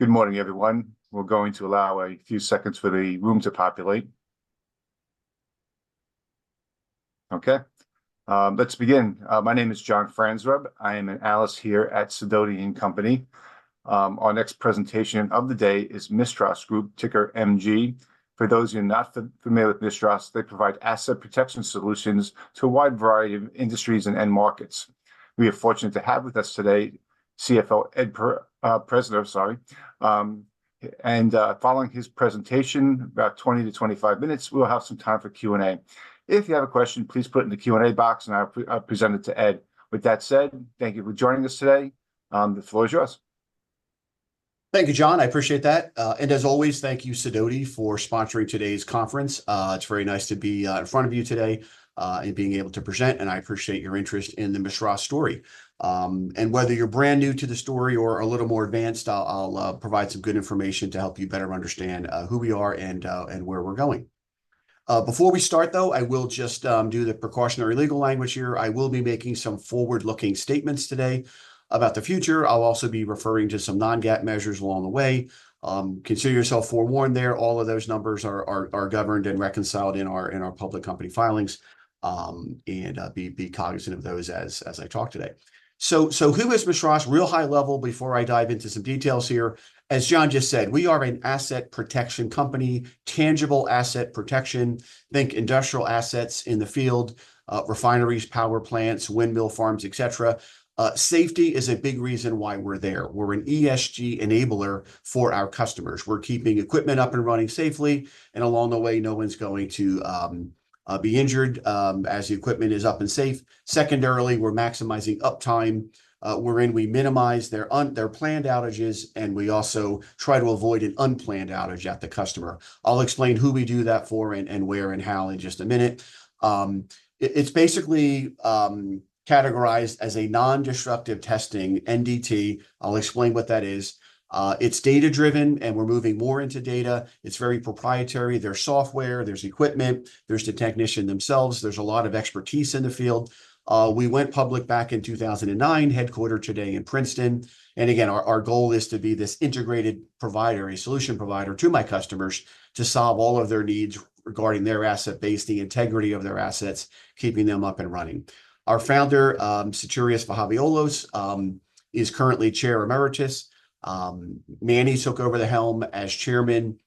Good morning, everyone. We're going to allow a few seconds for the room to populate. Okay, let's begin. My name is John Franzreb. I am an analyst here at Sidoti & Company. Our next presentation of the day is Mistras Group, ticker MG. For those of you not familiar with Mistras, they provide asset protection solutions to a wide variety of industries and end markets. We are fortunate to have with us today CFO Ed Prajzner, sorry. Following his presentation, about 20 to 25 minutes, we'll have some time for Q&A. If you have a question, please put it in the Q&A box, and I'll present it to Ed. With that said, thank you for joining us today. The floor is yours. Thank you, John. I appreciate that. And as always, thank you, Sidoti, for sponsoring today's conference. It's very nice to be in front of you today, and being able to present, and I appreciate your interest in the Mistras story. And whether you're brand new to the story or a little more advanced, I'll provide some good information to help you better understand who we are and where we're going. Before we start, though, I will just do the precautionary legal language here. I will be making some forward-looking statements today about the future. I'll also be referring to some non-GAAP measures along the way. Consider yourself forewarned there. All of those numbers are governed and reconciled in our public company filings. Be cognizant of those as I talk today. Who is Mistras? Real high level before I dive into some details here. As John just said, we are an asset protection company, tangible asset protection. Think industrial assets in the field, refineries, power plants, windmill farms, et cetera. Safety is a big reason why we're there. We're an ESG enabler for our customers. We're keeping equipment up and running safely, and along the way, no one's going to be injured as the equipment is up and safe. Secondarily, we're maximizing uptime, wherein we minimize their planned outages, and we also try to avoid an unplanned outage at the customer. I'll explain who we do that for and where and how in just a minute. It's basically categorized as a non-destructive testing, NDT. I'll explain what that is. It's data-driven, and we're moving more into data. It's very proprietary. There's software, there's equipment, there's the technician themselves, there's a lot of expertise in the field. We went public back in 2009, headquartered today in Princeton. Again, our goal is to be this integrated provider, a solution provider to my customers, to solve all of their needs regarding their asset base, the integrity of their assets, keeping them up and running. Our founder, Sotirios Vahaviolos, is currently Chair Emeritus. Manny took over the helm as Chairman.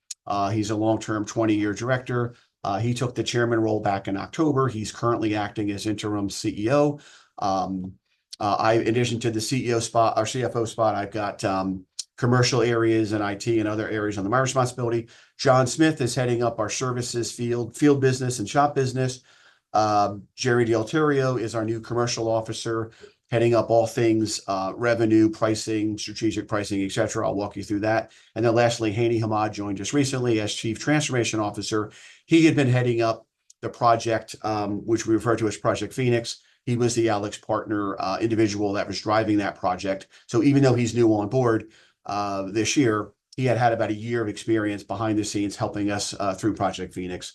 He's a long-term, 20-year director. He took the Chairman role back in October. He's currently acting as interim CEO. In addition to the CEO spot, or CFO spot, I've got commercial areas and IT and other areas under my responsibility. John Smith is heading up our services field and shop business. Gerry D'Alterio is our new commercial officer, heading up all things, revenue, pricing, strategic pricing, et cetera. I'll walk you through that. And then lastly, Hani Hammad joined us recently as Chief Transformation Officer. He had been heading up the project, which we refer to as Project Phoenix. He was the AlixPartner, individual that was driving that project. So even though he's new on board this year, he had had about a year of experience behind the scenes, helping us through Project Phoenix.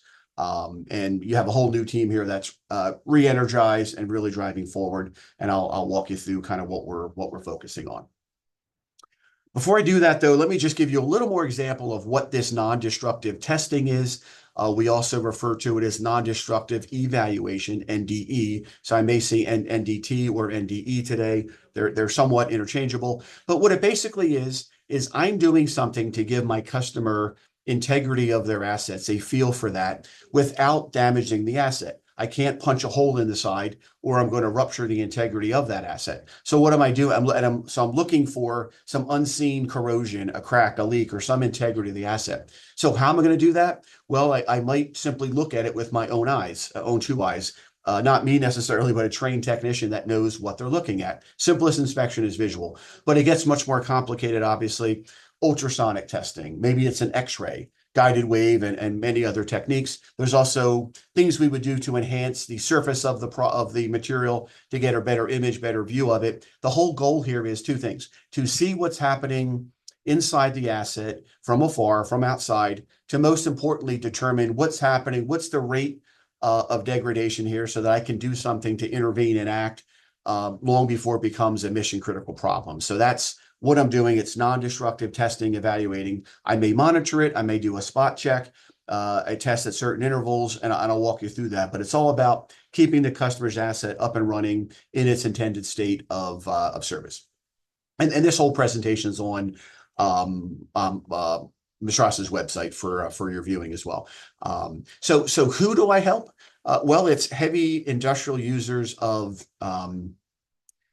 And you have a whole new team here that's re-energized and really driving forward, and I'll walk you through kind of what we're focusing on. Before I do that, though, let me just give you a little more example of what this non-destructive testing is. We also refer to it as non-destructive evaluation, NDE. So I may say NDT or NDE today. They're somewhat interchangeable. But what it basically is, I'm doing something to give my customer integrity of their assets, a feel for that, without damaging the asset. I can't punch a hole in the side, or I'm going to rupture the integrity of that asset. So what am I doing? I'm looking for some unseen corrosion, a crack, a leak, or some integrity of the asset. So how am I going to do that? Well, I might simply look at it with my own eyes, own two eyes. Not me necessarily, but a trained technician that knows what they're looking at. Simplest inspection is visual, but it gets much more complicated, obviously. Ultrasonic testing, maybe it's an X-ray, Guided Wave, and many other techniques. There's also things we would do to enhance the surface of the material to get a better image, better view of it. The whole goal here is two things: to see what's happening inside the asset from afar, from outside, to most importantly, determine what's happening, what's the rate of degradation here so that I can do something to intervene and act long before it becomes a mission-critical problem. So that's what I'm doing. It's non-destructive testing, evaluating. I may monitor it, I may do a spot check, I test at certain intervals, and I'll walk you through that. But it's all about keeping the customer's asset up and running in its intended state of service. This whole presentation is on Mistras' website for your viewing as well. So who do I help? Well, it's heavy industrial users of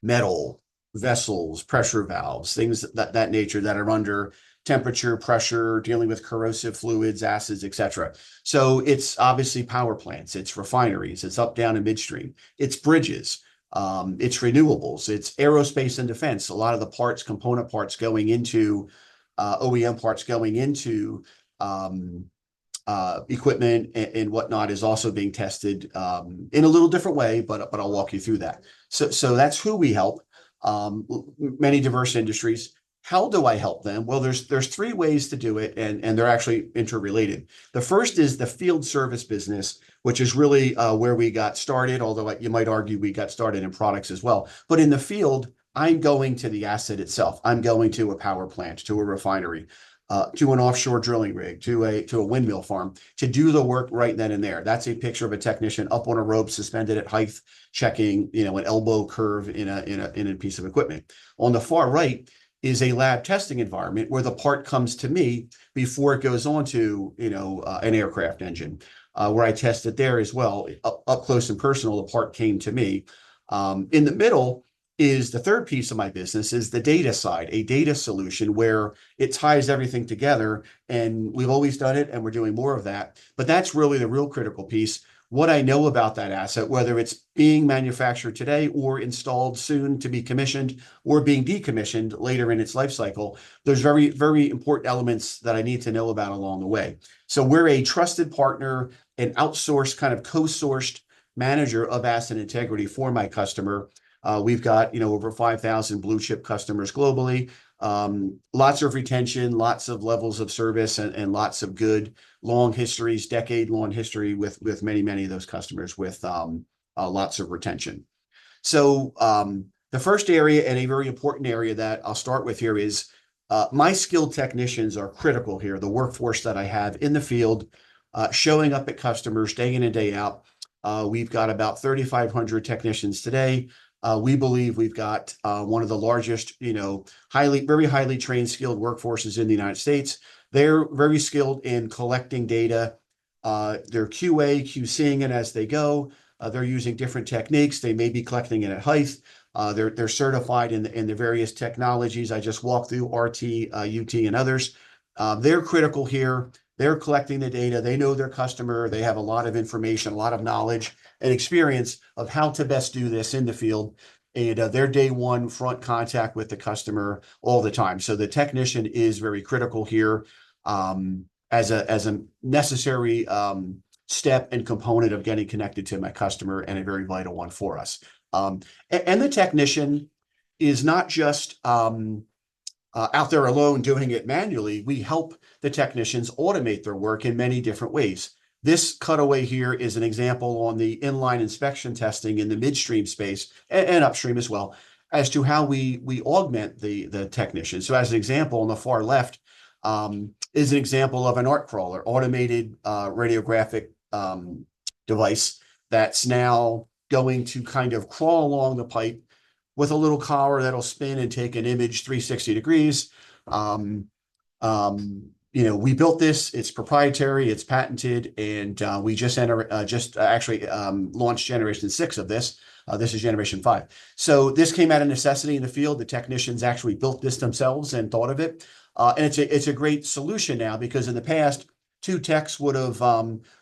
metal, vessels, pressure valves, things of that nature that are under temperature, pressure, dealing with corrosive fluids, acids, et cetera. So it's obviously power plants, it's refineries, it's up, down, and midstream. It's bridges, it's renewables, it's aerospace and defense. A lot of the parts, component parts going into OEM parts going into equipment and whatnot is also being tested in a little different way, but I'll walk you through that. So that's who we help, many diverse industries. How do I help them? Well, there's three ways to do it, and they're actually interrelated. The first is the field service business, which is really, where we got started, although, like, you might argue, we got started in products as well. But in the field, I'm going to the asset itself. I'm going to a power plant, to a refinery, to an offshore drilling rig, to a, to a windmill farm, to do the work right then and there. That's a picture of a technician up on a rope, suspended at height, checking, you know, an elbow curve in a, in a, in a piece of equipment. On the far right is a lab testing environment, where the part comes to me before it goes on to, you know, an aircraft engine, where I test it there as well. Up, up close and personal, the part came to me. In the middle is the third piece of my business, is the data side, a data solution where it ties everything together, and we've always done it, and we're doing more of that, but that's really the real critical piece. What I know about that asset, whether it's being manufactured today or installed soon to be commissioned or being decommissioned later in its life cycle, there's very, very important elements that I need to know about along the way. So we're a trusted partner, an outsourced, kind of co-sourced manager of asset integrity for my customer. We've got, you know, over 5,000 blue-chip customers globally. Lots of retention, lots of levels of service, and, and lots of good long histories, decade-long history with, with many, many of those customers with, lots of retention. So, the first area, and a very important area that I'll start with here, is my skilled technicians are critical here. The workforce that I have in the field, showing up at customers day in and day out. We've got about 3,500 technicians today. We believe we've got one of the largest, you know, very highly trained, skilled workforces in the United States. They're very skilled in collecting data. They're QA, QC-ing it as they go. They're using different techniques. They may be collecting it at height. They're certified in the various technologies. I just walked through RT, UT, and others. They're critical here. They're collecting the data. They know their customer. They have a lot of information, a lot of knowledge and experience of how to best do this in the field, and they're day one front contact with the customer all the time. So the technician is very critical here as a necessary step and component of getting connected to my customer, and a very vital one for us. And the technician is not just out there alone doing it manually. We help the technicians automate their work in many different ways. This cutaway here is an example on the in-line inspection testing in the midstream space, and upstream as well, as to how we augment the technician. So as an example, on the far left, is an example of an ART Crawler, automated, radiographic, device, that's now going to kind of crawl along the pipe with a little collar that'll spin and take an image 360 degrees. You know, we built this, it's proprietary, it's patented, and we just actually launched generation six of this. This is generation five. So this came out of necessity in the field. The technicians actually built this themselves and thought of it. And it's a great solution now because in the past, two techs would have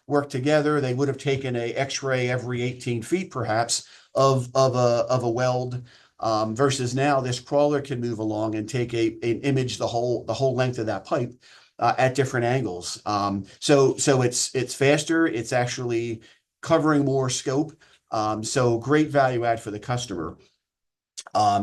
worked together. They would have taken an X-ray every 18 ft, perhaps, of a weld. Versus now, this crawler can move along and take an image the whole length of that pipe at different angles. So it's faster. It's actually covering more scope. So great value add for the customer.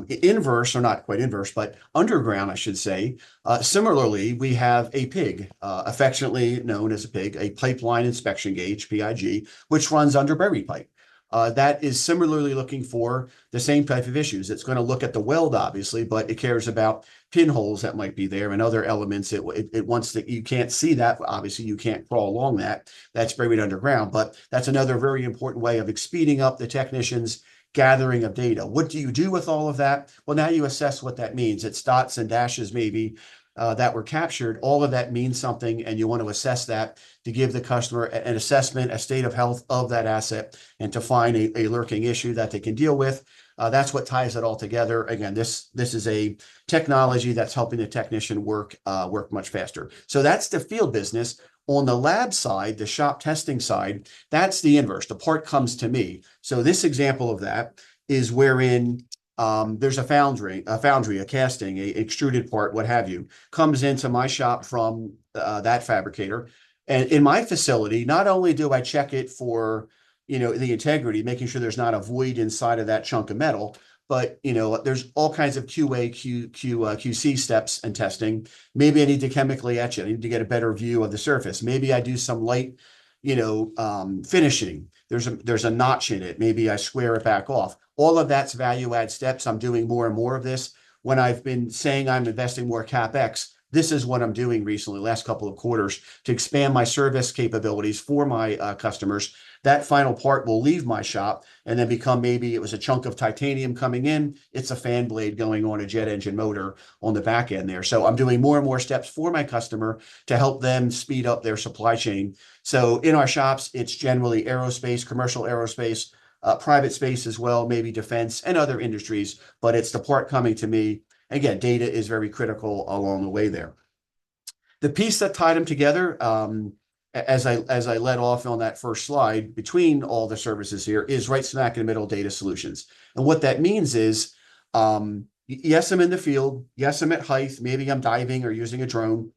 Inverse, or not quite inverse, but underground, I should say, similarly, we have a PIG, affectionately known as a PIG, a pipeline inspection gauge, PIG, which runs under buried pipe. That is similarly looking for the same type of issues. It's gonna look at the weld, obviously, but it cares about pinholes that might be there and other elements it wants to... You can't see that. Obviously, you can't crawl along that. That's buried underground, but that's another very important way of speeding up the technicians' gathering of data. What do you do with all of that? Well, now you assess what that means. It's dots and dashes, maybe, that were captured. All of that means something, and you want to assess that to give the customer an assessment, a state of health of that asset, and to find a lurking issue that they can deal with. That's what ties it all together. Again, this is a technology that's helping the technician work much faster. So that's the field business. On the lab side, the shop testing side, that's the inverse. The part comes to me. So this example of that is wherein there's a foundry, a casting, an extruded part, what have you, comes into my shop from that fabricator. And in my facility, not only do I check it for, you know, the integrity, making sure there's not a void inside of that chunk of metal, but, you know, there's all kinds of QA, QC steps and testing. Maybe I need to chemically etch it. I need to get a better view of the surface. Maybe I do some light, you know, finishing. There's a notch in it. Maybe I square it back off. All of that's value-add steps. I'm doing more and more of this. When I've been saying I'm investing more CapEx, this is what I'm doing recently, last couple of quarters, to expand my service capabilities for my customers. That final part will leave my shop and then become, maybe it was a chunk of titanium coming in, it's a fan blade going on a jet engine motor on the back end there. So I'm doing more and more steps for my customer to help them speed up their supply chain. So in our shops, it's generally aerospace, commercial aerospace, private space as well, maybe defense and other industries, but it's the part coming to me. Again, data is very critical along the way there. The piece that tied them together, as I led off on that first slide, between all the services here, is right smack in the middle, data solutions. And what that means is, yes, I'm in the field, yes, I'm at height, maybe I'm diving or using a drone...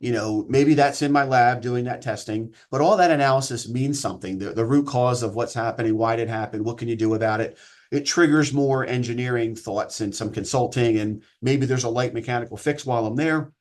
You know, maybe that's in my lab doing that testing, but all that analysis means something. The root cause of what's happening, why did it happen, what can you do about it? It triggers more engineering thoughts and some consulting, and maybe there's a light mechanical fix while I'm there.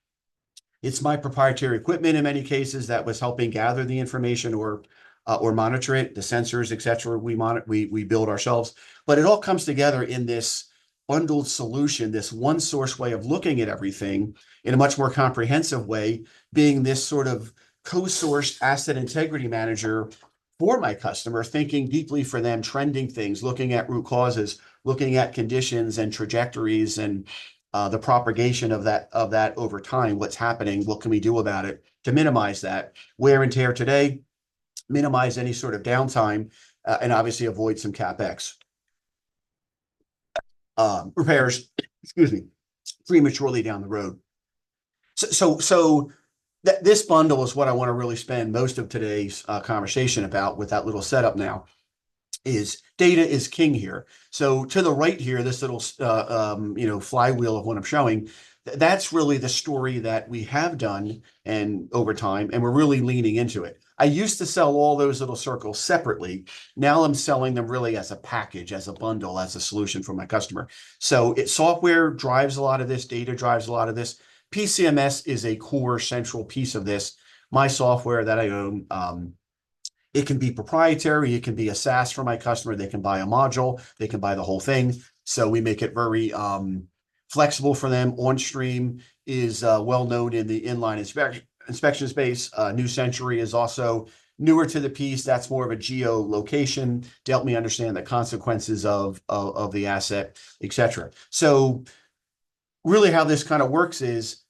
It's my proprietary equipment in many cases that was helping gather the information or, or monitor it, the sensors, et cetera, we build ourselves. But it all comes together in this bundled solution, this one-source way of looking at everything in a much more comprehensive way, being this sort of co-sourced asset integrity manager for my customer, thinking deeply for them, trending things, looking at root causes, looking at conditions and trajectories, and, the propagation of that, of that over time. What's happening? What can we do about it to minimize that wear and tear today, minimize any sort of downtime, and obviously avoid some CapEx repairs, excuse me, prematurely down the road. So this bundle is what I want to really spend most of today's conversation about with that little setup now, is data is king here. So to the right here, this little, you know, flywheel of what I'm showing, that's really the story that we have done and over time, and we're really leaning into it. I used to sell all those little circles separately. Now, I'm selling them really as a package, as a bundle, as a solution for my customer. So it, software drives a lot of this, data drives a lot of this. PCMS is a core central piece of this. My software that I own, it can be proprietary, it can be a SaaS for my customer. They can buy a module, they can buy the whole thing, so we make it very, flexible for them. Onstream is, well-known in the inline inspection space. New Century is also newer to the piece. That's more of a geolocation to help me understand the consequences of the asset, et cetera. So really, how this kind of works is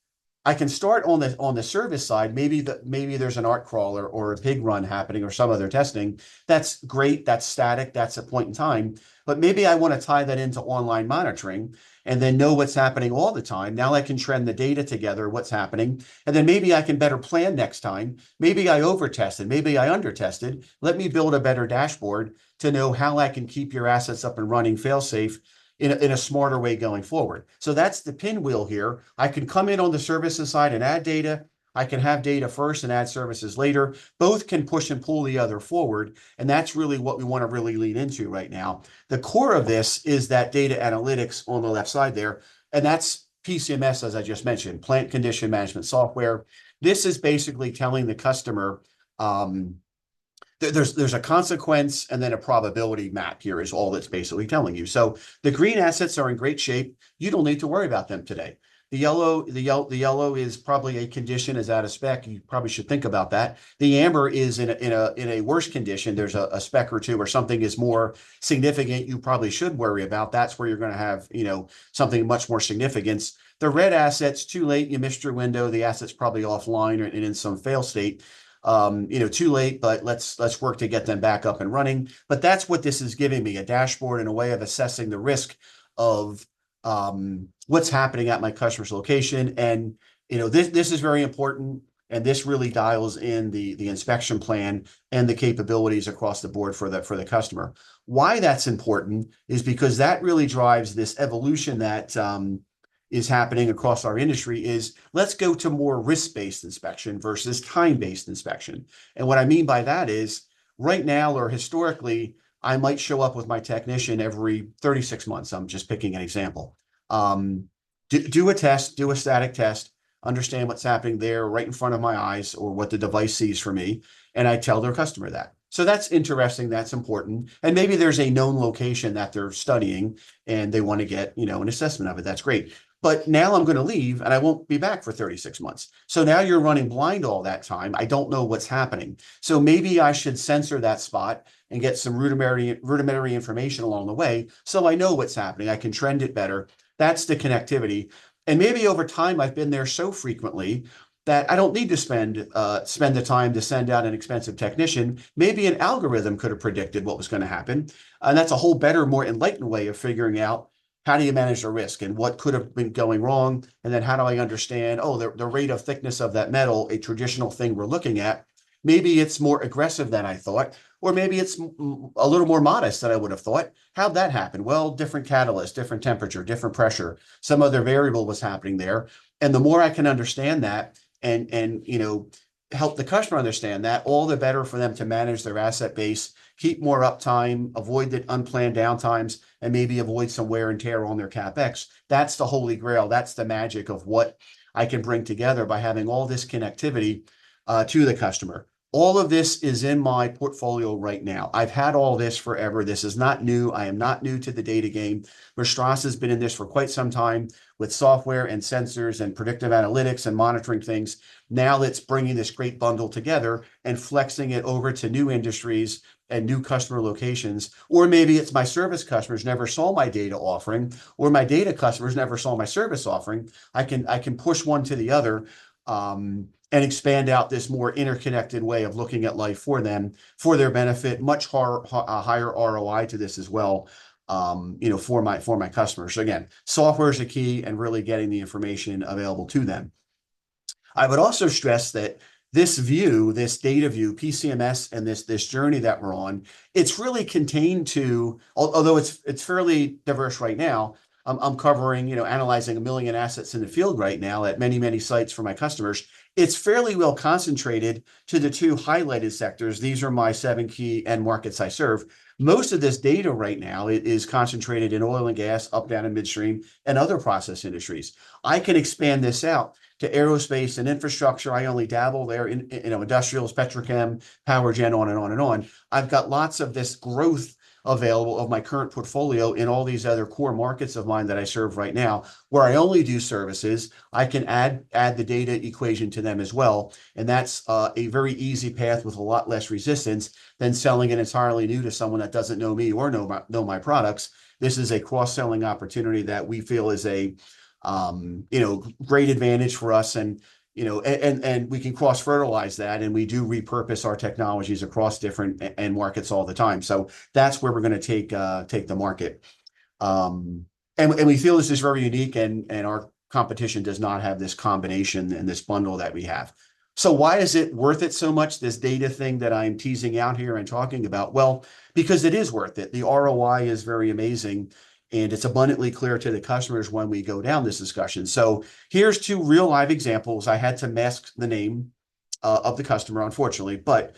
I can start on the service side, maybe there's an ART Crawler or a PIG run happening or some other testing. That's great, that's static, that's a point in time. But maybe I want to tie that into online monitoring and then know what's happening all the time. Now, I can trend the data together, what's happening, and then maybe I can better plan next time. Maybe I over-tested, maybe I under-tested. Let me build a better dashboard to know how I can keep your assets up and running fail-safe in a smarter way going forward. So that's the pinwheel here. I can come in on the services side and add data. I can have data first and add services later. Both can push and pull the other forward, and that's really what we want to really lean into right now. The core of this is that data analytics on the left side there, and that's PCMS, as I just mentioned, Plant Condition Management Software. This is basically telling the customer, there's a consequence and then a probability map here is all it's basically telling you. So the green assets are in great shape, you don't need to worry about them today. The yellow is probably a condition is out of spec, and you probably should think about that. The amber is in a worse condition. There's a spec or two, or something is more significant you probably should worry about. That's where you're going to have, you know, something of much more significance. The red asset's too late, you missed your window, the asset's probably offline and in some fail state. You know, too late, but let's work to get them back up and running. But that's what this is giving me, a dashboard and a way of assessing the risk of what's happening at my customer's location, and, you know, this is very important and this really dials in the inspection plan and the capabilities across the board for the customer. Why that's important is because that really drives this evolution that is happening across our industry: let's go to more risk-based inspection versus time-based inspection. And what I mean by that is, right now or historically, I might show up with my technician every 36 months, I'm just picking an example. Do a test, do a static test, understand what's happening there right in front of my eyes or what the device sees for me, and I tell their customer that. So that's interesting, that's important, and maybe there's a known location that they're studying, and they want to get, you know, an assessment of it, that's great. But now I'm going to leave, and I won't be back for 36 months. So now you're running blind all that time. I don't know what's happening. So maybe I should censor that spot and get some rudimentary, rudimentary information along the way, so I know what's happening. I can trend it better. That's the connectivity. And maybe over time, I've been there so frequently that I don't need to spend, spend the time to send out an expensive technician. Maybe an algorithm could have predicted what was going to happen, and that's a whole better, more enlightened way of figuring out, how do you manage the risk and what could have been going wrong? And then how do I understand, oh, the rate of thickness of that metal, a traditional thing we're looking at, maybe it's more aggressive than I thought, or maybe it's a little more modest than I would have thought. How'd that happen? Well, different catalyst, different temperature, different pressure, some other variable was happening there. And the more I can understand that and, you know, help the customer understand that, all the better for them to manage their asset base, keep more uptime, avoid the unplanned downtimes, and maybe avoid some wear and tear on their CapEx. That's the holy grail. That's the magic of what I can bring together by having all this connectivity to the customer. All of this is in my portfolio right now. I've had all this forever. This is not new. I am not new to the data game. Verstratis has been in this for quite some time with software and sensors and predictive analytics and monitoring things. Now, it's bringing this great bundle together and flexing it over to new industries and new customer locations. Or maybe it's my service customers never saw my data offering, or my data customers never saw my service offering. I can, I can push one to the other, and expand out this more interconnected way of looking at life for them, for their benefit. Much higher ROI to this as well, you know, for my, for my customers. So again, software is the key and really getting the information available to them. I would also stress that this view, this data view, PCMS, and this journey that we're on, it's really contained to, although it's fairly diverse right now. I'm covering, you know, analyzing 1 million assets in the field right now at many, many sites for my customers. It's fairly well concentrated to the two highlighted sectors. These are my 7 key end markets I serve. Most of this data right now is concentrated in oil and gas, up, down, and midstream, and other process industries. I can expand this out to aerospace and infrastructure. I only dabble there in, you know, industrials, petrochem, power gen, on and on and on. I've got lots of this growth available of my current portfolio in all these other core markets of mine that I serve right now, where I only do services. I can add the data equation to them as well, and that's a very easy path with a lot less resistance than selling it entirely new to someone that doesn't know me or know about my products. This is a cross-selling opportunity that we feel is a, you know, great advantage for us. You know, we can cross-fertilize that, and we do repurpose our technologies across different end markets all the time. So that's where we're going to take the market. We feel this is very unique, and our competition does not have this combination and this bundle that we have. So why is it worth it so much, this data thing that I'm teasing out here and talking about? Well, because it is worth it. The ROI is very amazing, and it's abundantly clear to the customers when we go down this discussion. So here's 2 real live examples. I had to mask the name of the customer, unfortunately, but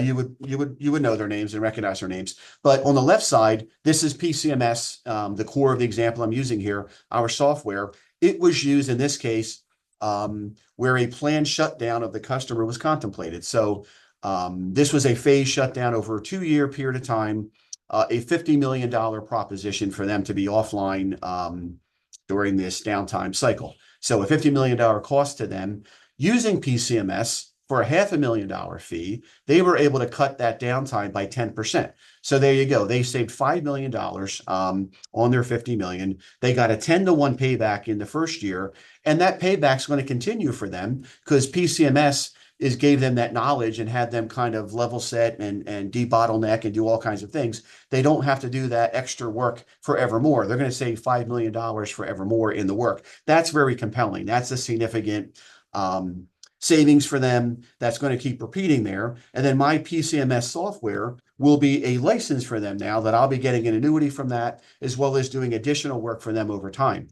you would know their names and recognize their names. But on the left side, this is PCMS, the core of the example I'm using here, our software. It was used in this case, where a planned shutdown of the customer was contemplated. So this was a phased shutdown over a 2-year period of time, a $50 million proposition for them to be offline during this downtime cycle. So a $50 million cost to them. Using PCMS, for a $500,000 fee, they were able to cut that downtime by 10%. So there you go. They saved $5 million on their $50 million. They got a 10-to-1 payback in the first year, and that payback's going to continue for them 'cause PCMS is gave them that knowledge and had them kind of level set and debottleneck and do all kinds of things. They don't have to do that extra work forevermore. They're going to save $5 million forevermore in the work. That's very compelling. That's a significant savings for them. That's going to keep repeating there. And then my PCMS software will be a license for them now, that I'll be getting an annuity from that, as well as doing additional work for them over time.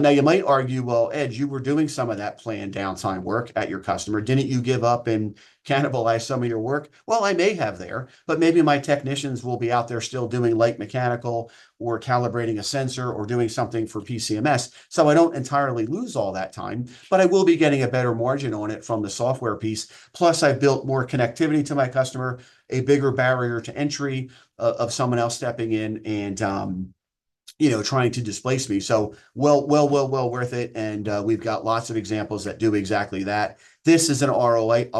Now, you might argue, "Well, Ed, you were doing some of that planned downtime work at your customer. Didn't you give up and cannibalize some of your work?" Well, I may have there, but maybe my technicians will be out there still doing light mechanical or calibrating a sensor or doing something for PCMS, so I don't entirely lose all that time. But I will be getting a better margin on it from the software piece. Plus, I've built more connectivity to my customer, a bigger barrier to entry, of someone else stepping in and, you know, trying to displace me, so well worth it, and we've got lots of examples that do exactly that. This is an ROI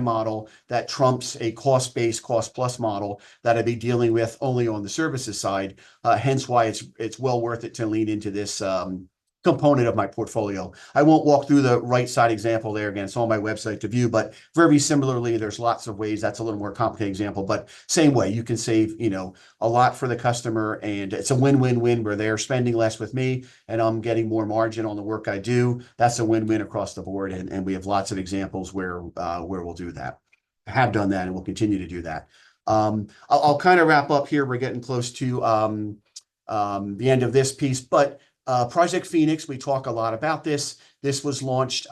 model that trumps a cost-based, cost-plus model that I'd be dealing with only on the services side. Hence why it's, it's well worth it to lean into this, component of my portfolio. I won't walk through the right side example there. Again, it's on my website to view, but very similarly, there's lots of ways. That's a little more complicated example, but same way, you can save, you know, a lot for the customer, and it's a win-win-win, where they're spending less with me, and I'm getting more margin on the work I do. That's a win-win across the board, and, and we have lots of examples where, where we'll do that, have done that, and we'll continue to do that. I'll, I'll kind of wrap up here. We're getting close to, the end of this piece. But, Project Phoenix, we talk a lot about this. This was launched,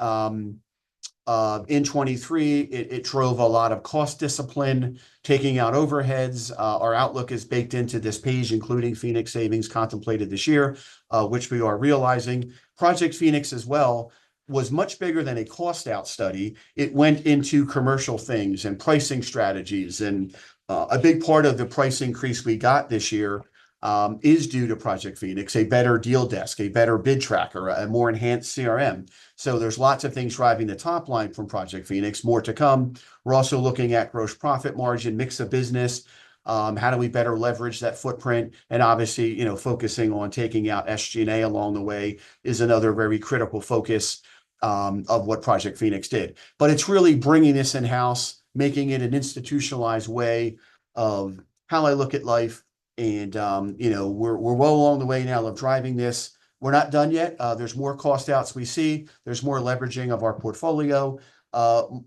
in 2023. It drove a lot of cost discipline, taking out overheads. Our outlook is baked into this page, including Phoenix savings contemplated this year, which we are realizing. Project Phoenix as well, was much bigger than a cost-out study. It went into commercial things and pricing strategies, and a big part of the price increase we got this year is due to Project Phoenix, a better deal desk, a better bid tracker, a more enhanced CRM. So there's lots of things driving the top line from Project Phoenix. More to come. We're also looking at gross profit margin, mix of business, how do we better leverage that footprint, and obviously, you know, focusing on taking out SG&A along the way is another very critical focus of what Project Phoenix did. But it's really bringing this in-house, making it an institutionalized way of how I look at life, and, you know, we're well along the way now of driving this. We're not done yet. There's more cost-outs we see. There's more leveraging of our portfolio,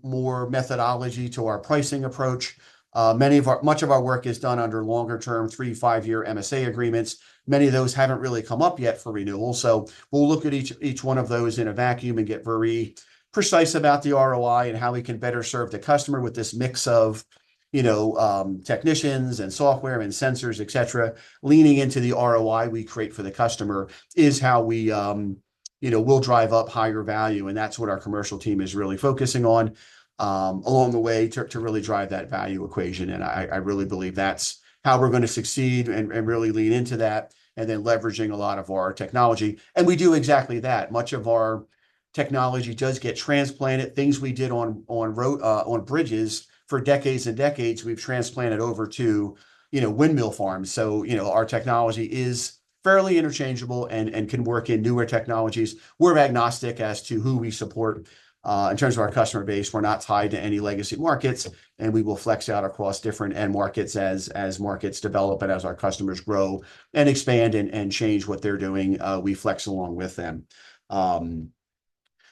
more methodology to our pricing approach. Much of our work is done under longer-term, three-five year MSA agreements. Many of those haven't really come up yet for renewal, so we'll look at each one of those in a vacuum and get very precise about the ROI and how we can better serve the customer with this mix of, you know, technicians and software and sensors, et cetera. Leaning into the ROI we create for the customer is how we, you know, we'll drive up higher value, and that's what our commercial team is really focusing on, along the way, to, to really drive that value equation. And I, I really believe that's how we're going to succeed and, and really lean into that, and then leveraging a lot of our technology. And we do exactly that. Much of our technology does get transplanted. Things we did on bridges for decades and decades, we've transplanted over to, you know, windmill farms. So, you know, our technology is fairly interchangeable and, and can work in newer technologies. We're agnostic as to who we support, in terms of our customer base. We're not tied to any legacy markets, and we will flex out across different end markets as markets develop and as our customers grow and expand and change what they're doing, we flex along with them.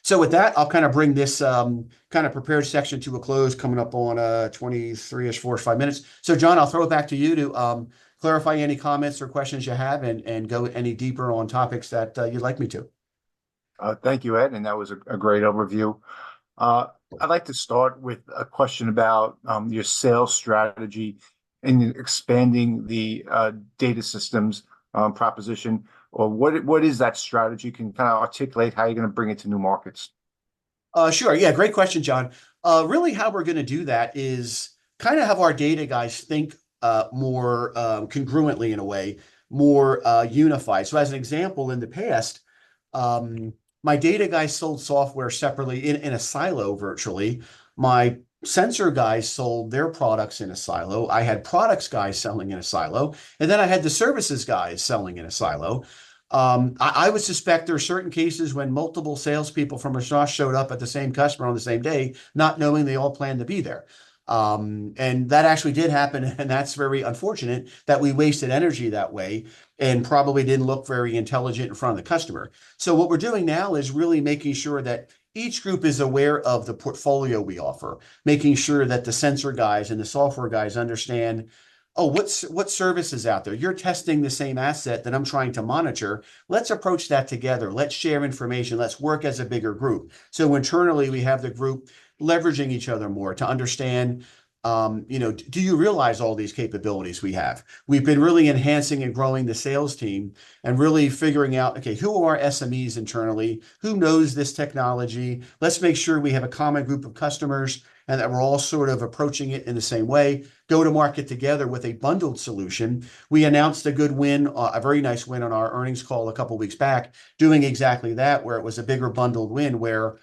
So with that, I'll kind of bring this kind of prepared section to a close, coming up on 23-ish, four or five minutes. So John, I'll throw it back to you to clarify any comments or questions you have, and go any deeper on topics that you'd like me to. Thank you, Ed, and that was a great overview. I'd like to start with a question about your sales strategy and expanding the data systems proposition, or what is that strategy? Can you kind of articulate how you're going to bring it to new markets? Sure, yeah. Great question, John. Really how we're going to do that is kind of have our data guys think more congruently in a way, more unified. So as an example, in the past, my data guys sold software separately in a silo, virtually. My sensor guys sold their products in a silo. I had products guys selling in a silo, and then I had the services guys selling in a silo. I would suspect there are certain cases when multiple salespeople from Mistras showed up at the same customer on the same day, not knowing they all planned to be there. And that actually did happen, and that's very unfortunate that we wasted energy that way and probably didn't look very intelligent in front of the customer. So what we're doing now is really making sure that each group is aware of the portfolio we offer, making sure that the sensor guys and the software guys understand, "Oh, what service is out there? You're testing the same asset that I'm trying to monitor. Let's approach that together. Let's share information. Let's work as a bigger group." So internally, we have the group leveraging each other more to understand, you know, "Do you realize all these capabilities we have?" We've been really enhancing and growing the sales team and really figuring out, okay, who are our SMEs internally? Who knows this technology? Let's make sure we have a common group of customers and that we're all sort of approaching it in the same way. Go to market together with a bundled solution. We announced a good win, a very nice win on our earnings call a couple of weeks back, doing exactly that, where it was a bigger bundled win, where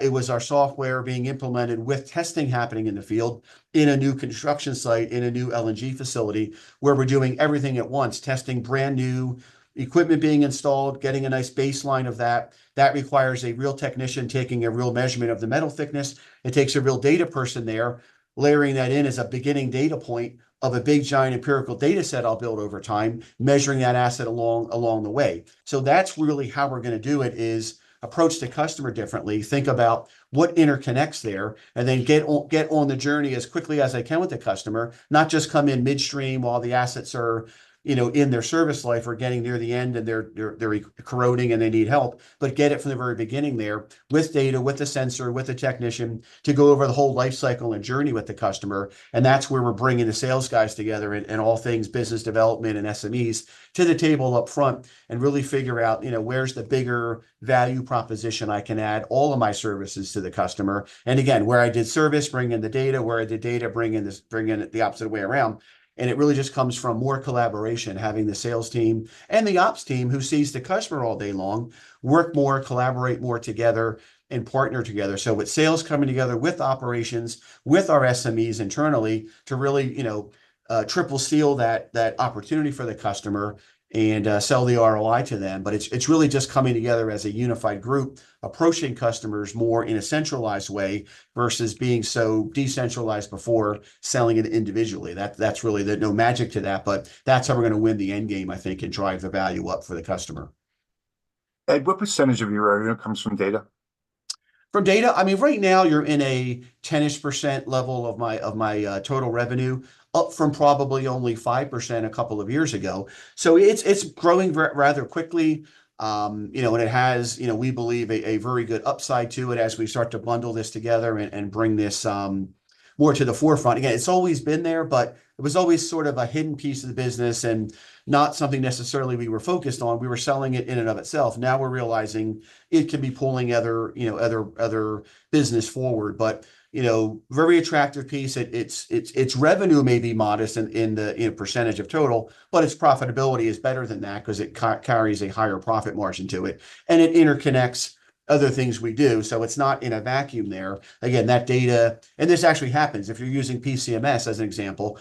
it was our software being implemented with testing happening in the field, in a new construction site, in a new LNG facility, where we're doing everything at once: testing brand-new equipment being installed, getting a nice baseline of that. That requires a real technician taking a real measurement of the metal thickness. It takes a real data person there, layering that in as a beginning data point of a big, giant empirical dataset I'll build over time, measuring that asset along, along the way. So that's really how we're going to do it, is approach the customer differently, think about what interconnects there, and then get on the journey as quickly as I can with the customer. Not just come in midstream while the assets are, you know, in their service life or getting near the end, and they're corroding and they need help, but get it from the very beginning there with data, with a sensor, with a technician, to go over the whole life cycle and journey with the customer, and that's where we're bringing the sales guys together and all things business development and SMEs to the table up front and really figure out, you know, where's the bigger value proposition I can add all of my services to the customer? And again, where I did service, bring in the data, where I did data, bring in this—bring in it the opposite way around, and it really just comes from more collaboration, having the sales team and the ops team, who sees the customer all day long, work more, collaborate more together, and partner together. So with sales coming together, with operations, with our SMEs internally, to really, you know, triple seal that, that opportunity for the customer and, sell the ROI to them. But it's, it's really just coming together as a unified group, approaching customers more in a centralized way versus being so decentralized before selling it individually. That—that's really the... No magic to that, but that's how we're going to win the end game, I think, and drive the value up for the customer. Ed, what percentage of your revenue comes from data? From data? I mean, right now, you're in a 10-ish% level of my total revenue, up from probably only 5% a couple of years ago. So it's growing rather quickly. You know, and it has, you know, we believe, a very good upside to it as we start to bundle this together and bring this more to the forefront. Again, it's always been there, but it was always sort of a hidden piece of the business and not something necessarily we were focused on. We were selling it in and of itself. Now, we're realizing it could be pulling other, you know, other business forward. But, you know, very attractive piece. It's revenue may be modest in percentage of total, but its profitability is better than that 'cause it carries a higher profit margin to it, and it interconnects other things we do, so it's not in a vacuum there. Again, that data. And this actually happens, if you're using PCMS, as an example,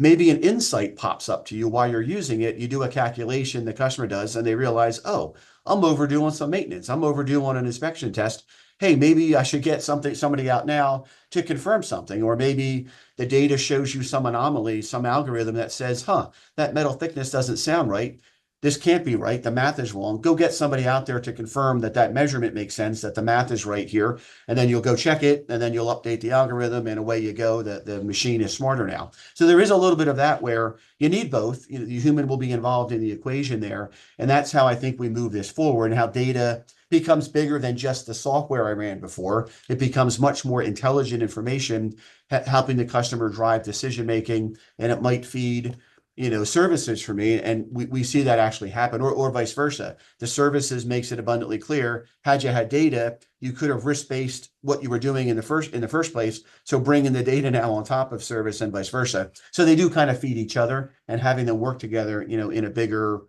maybe an insight pops up to you while you're using it. You do a calculation, the customer does, and they realize, "Oh, I'm overdue on some maintenance. I'm overdue on an inspection test. Hey, maybe I should get somebody out now to confirm something." Or maybe the data shows you some anomaly, some algorithm that says, "Huh, that metal thickness doesn't sound right. This can't be right. The math is wrong. Go get somebody out there to confirm that that measurement makes sense, that the math is right here." And then you'll go check it, and then you'll update the algorithm, and away you go, the machine is smarter now. So there is a little bit of that, where you need both. You know, the human will be involved in the equation there, and that's how I think we move this forward, and how data becomes bigger than just the software I ran before. It becomes much more intelligent information, helping the customer drive decision making, and it might feed, you know, services for me, and we see that actually happen or vice versa. The services makes it abundantly clear, had you had data, you could have risk-based what you were doing in the first, in the first place, so bring in the data now on top of service and vice versa. So they do kind of feed each other, and having them work together, you know, in a bigger,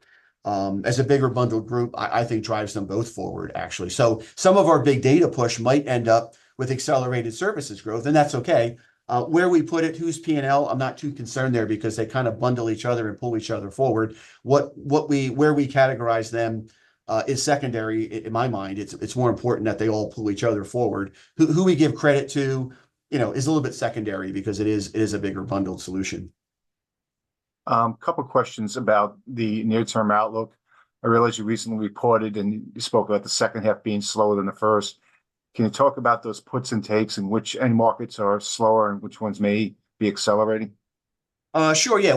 as a bigger bundled group, I, I think drives them both forward, actually. So some of our big data push might end up with accelerated services growth, and that's okay. Where we put it, who's P&L, I'm not too concerned there because they kind of bundle each other and pull each other forward. What we- where we categorize them is secondary in my mind. It's, it's more important that they all pull each other forward. Who we give credit to, you know, is a little bit secondary because it is a bigger bundled solution. Couple questions about the near-term outlook. I realize you recently reported, and you spoke about the second half being slower than the first. Can you talk about those puts and takes, and which end markets are slower, and which ones may be accelerating? Sure, yeah.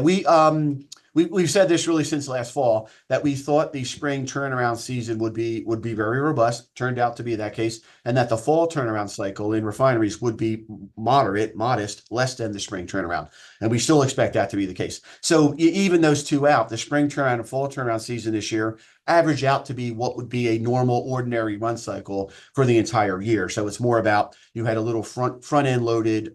We've said this really since last fall, that we thought the spring turnaround season would be very robust, turned out to be that case, and that the fall turnaround cycle in refineries would be moderate, modest, less than the spring turnaround, and we still expect that to be the case. So even those two out, the spring turnaround and fall turnaround season this year, average out to be what would be a normal, ordinary run cycle for the entire year. So it's more about you had a little front-end loaded,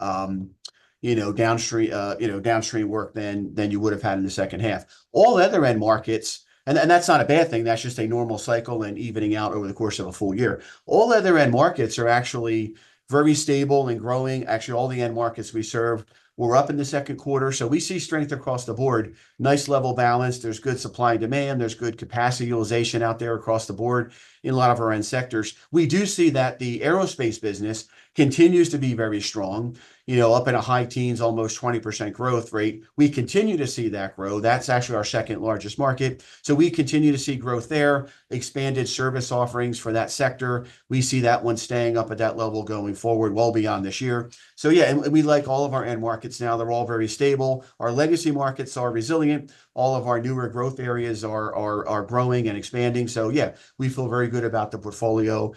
you know, downstream, you know, downstream work than you would've had in the second half. All other end markets... And that's not a bad thing, that's just a normal cycle and evening out over the course of a full year. All other end markets are actually very stable and growing. Actually, all the end markets we serve were up in the second quarter, so we see strength across the board. Nice level balance, there's good supply and demand, there's good capacity utilization out there across the board in a lot of our end sectors. We do see that the aerospace business continues to be very strong, you know, up in the high teens, almost 20% growth rate. We continue to see that grow. That's actually our second largest market. So we continue to see growth there, expanded service offerings for that sector. We see that one staying up at that level going forward, well beyond this year. So yeah, and we like all of our end markets now. They're all very stable. Our legacy markets are resilient. All of our newer growth areas are growing and expanding. So yeah, we feel very good about the portfolio.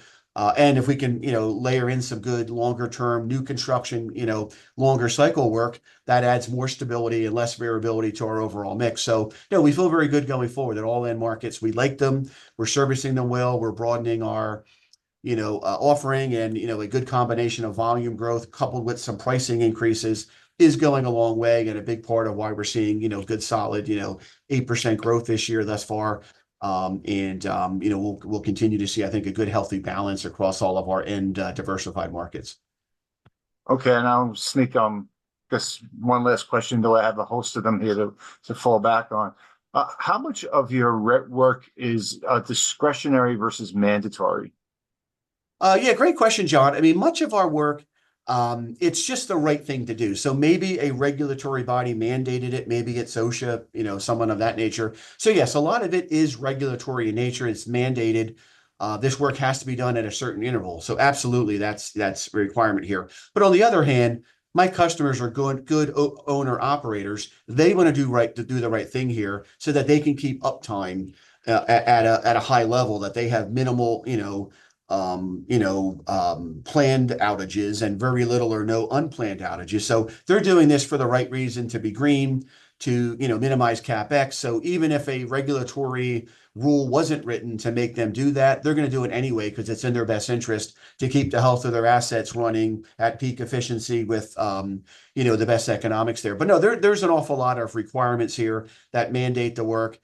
And if we can, you know, layer in some good longer-term, new construction, you know, longer cycle work, that adds more stability and less variability to our overall mix. So you know, we feel very good going forward at all end markets. We like them, we're servicing them well, we're broadening our, you know, offering and, you know, a good combination of volume growth coupled with some pricing increases is going a long way, and a big part of why we're seeing, you know, good, solid, you know, 8% growth this year thus far. And, you know, we'll continue to see, I think, a good, healthy balance across all of our end diversified markets. Okay, and I'll sneak just one last question, though I have a host of them here to fall back on. How much of your rework is discretionary versus mandatory? Yeah, great question, John. I mean, much of our work, it's just the right thing to do. So maybe a regulatory body mandated it, maybe it's OSHA, you know, someone of that nature. So yes, a lot of it is regulatory in nature, it's mandated. This work has to be done at a certain interval, so absolutely, that's a requirement here. But on the other hand, my customers are good owner-operators. They wanna do right, to do the right thing here so that they can keep uptime at a high level, that they have minimal, you know, planned outages and very little or no unplanned outages. So they're doing this for the right reason, to be green, to, you know, minimize CapEx. So even if a regulatory rule wasn't written to make them do that, they're gonna do it anyway 'cause it's in their best interest to keep the health of their assets running at peak efficiency with, you know, the best economics there. But no, there's an awful lot of requirements here that mandate the work.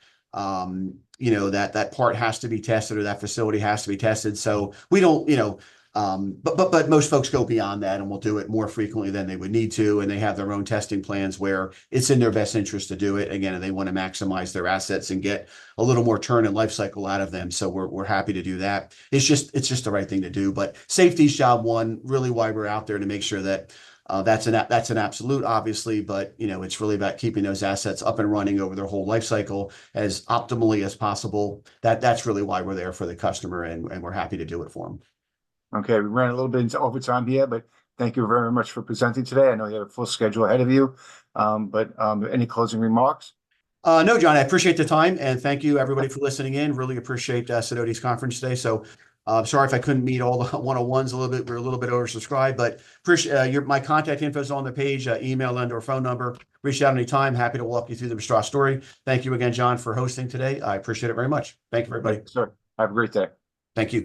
You know, that part has to be tested, or that facility has to be tested, so we don't, you know... But most folks go beyond that and will do it more frequently than they would need to, and they have their own testing plans where it's in their best interest to do it. Again, they wanna maximize their assets and get a little more turn and life cycle out of them, so we're happy to do that. It's just the right thing to do. But safety's job one, really why we're out there, to make sure that that's an absolute, obviously. But, you know, it's really about keeping those assets up and running over their whole life cycle as optimally as possible. That's really why we're there for the customer, and we're happy to do it for them. Okay, we ran a little bit into overtime here, but thank you very much for presenting today. I know you have a full schedule ahead of you. But, any closing remarks? No, John, I appreciate the time, and thank you everybody for listening in. Really appreciate Sidoti's conference today. So, sorry if I couldn't meet all the one-on-ones a little bit, we're a little bit oversubscribed, but appreciate your... My contact info is on the page, email and/or phone number. Reach out anytime, happy to walk you through the Mistras story. Thank you again, John, for hosting today. I appreciate it very much. Thank you, everybody. Sure. Have a great day. Thank you.